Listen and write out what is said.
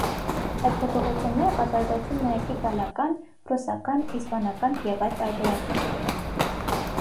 Այդ փոփոխությունները կատարվեցին նաև իտալական, ռուսական, իսպանական և այլ տարբերակներում։